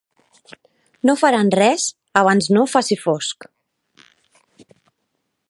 No faran res abans no faci fosc.